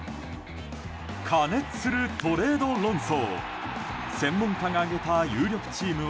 過熱するトレード論争。